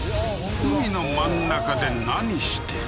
海の真ん中で何してる？